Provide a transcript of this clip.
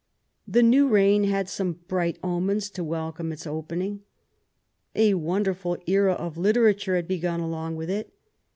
The new reign had some bright omens to welcome its opening. A wonderful era of literature had begun along with it.